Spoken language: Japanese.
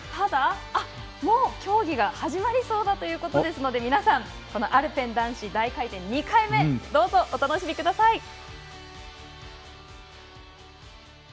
もう競技が始まりそうだということですので皆さん、アルペン男子大回転の２回目、どうぞ楽しみください。